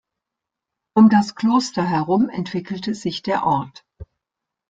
Um das Kloster herum entwickelte sich der Ort.